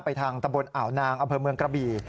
ทางตำบลอ่าวนางอำเภอเมืองกระบี่